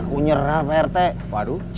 cewek nya ceritakan aku nya